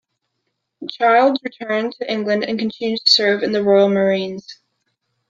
Childs returned to England and continued to serve in the Royal Marines.